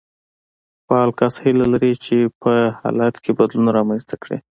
فعال کس هيله لري چې په حالت کې بدلون رامنځته کړي.